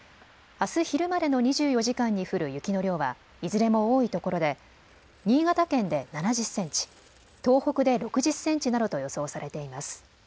あす昼までの２４時間に降る雪の量はいずれも多いところで新潟県で７０センチ、東北で６０センチなどと予想されています。